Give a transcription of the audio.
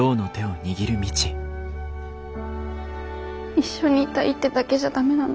一緒にいたいってだけじゃ駄目なの？